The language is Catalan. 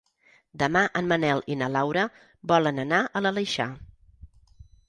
Demà en Manel i na Laura volen anar a l'Aleixar.